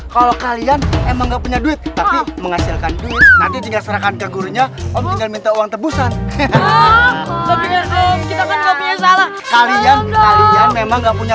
kalau kalian memang gak punya gede menghasilkan itu hoppingan minta uang tebusan dulu tidak punya